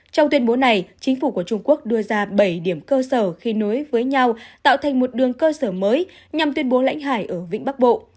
trong tuyên bố này chính phủ của trung quốc đưa ra bảy điểm cơ sở khi nối với nhau tạo thành một đường cơ sở mới nhằm tuyên bố lãnh hải ở vĩnh bắc bộ